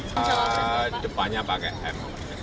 pada depannya pakai m